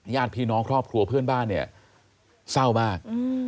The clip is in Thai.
ญาติพี่น้องครอบครัวเพื่อนบ้านเนี่ยเศร้ามาก